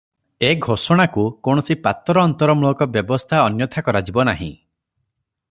ଏ ଘୋଷଣାକୁ କୌଣସି ପାତରଅନ୍ତରମୂଳକ ବ୍ୟବସ୍ଥା ଅନ୍ୟଥା କରାଯିବ ନାହିଁ ।